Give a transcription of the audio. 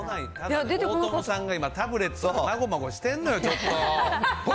大友さんがタブレットもごもごしてるのよ、ちょっと。